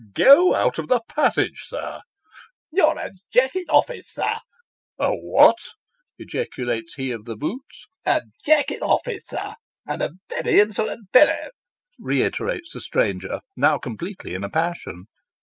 ' Go out of the passage, sir." 4 You're a Jack in office, sir." ' A what ?" ejaculates he of the boots. 'A Jack in office, sir, and a very insolent fellow," reiterates the stranger, now completely in a passion.